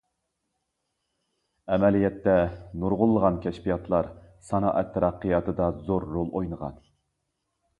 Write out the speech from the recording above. ئەمەلىيەتتە، نۇرغۇنلىغان كەشپىياتلار سانائەت تەرەققىياتىدا زور رول ئوينىغانىدى.